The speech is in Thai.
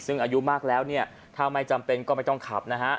ซึ่งอายุมากแล้วเนี่ยถ้าไม่จำเป็นก็ไม่ต้องขับนะฮะ